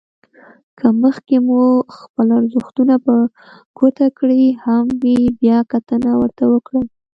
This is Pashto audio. که مخکې مو خپل ارزښتونه په ګوته کړي هم وي بيا کتنه ورته وکړئ.